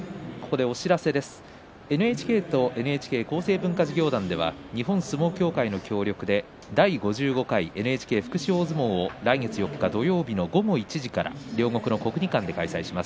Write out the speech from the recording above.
ＮＨＫとＮＨＫ厚生文化事業団では日本相撲協会の協力で第５５回ＮＨＫ福祉大相撲を来月２月４日土曜日午後１時から両国の国技館で開催します。